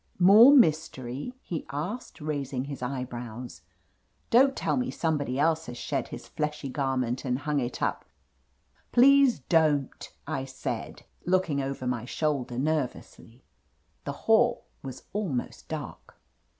"More mystery ?" he asked, raising his eye brows. "Don't tell me somebody else has shed his fleshy garment and hung it up —" "Please don't/^ I said, looking over myi 56 // OF LETITIA CARBERRY shoulder nervously. The hall was almost dark.